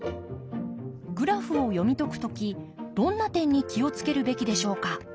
グラフを読み解く時どんな点に気を付けるべきでしょうか？